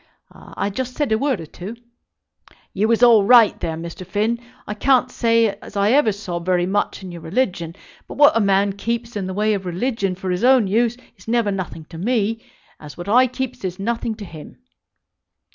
"I just said a word or two." "You was all right, there, Mr. Finn. I can't say as I ever saw very much in your religion; but what a man keeps in the way of religion for his own use is never nothing to me; as what I keeps is nothing to him."